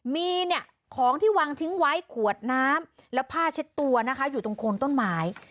มีเนี่ยของที่วางทิ้งไว้ขวดน้ำและผ้าเช็ดตัวนะคะอยู่ตรงโคนต้นไม้